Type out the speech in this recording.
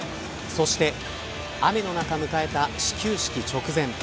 そして雨の中迎えた始球式直前。